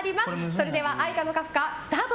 それでは愛花のカフカ、スタート。